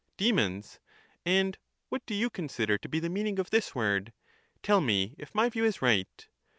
Demons! And what do you consider to be the mean ing of this word? Tell me if my view is right.